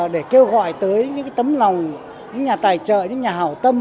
để kêu gọi tới những tấm lòng những nhà tài trợ những nhà hảo tâm